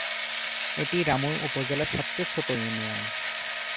এটি রামু উপজেলার সবচেয়ে ছোট ইউনিয়ন।